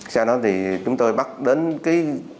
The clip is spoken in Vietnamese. sau đó thì chúng tôi bắt đến cái